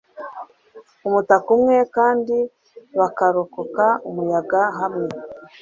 umutaka umwe kandi bakarokoka umuyaga hamwe.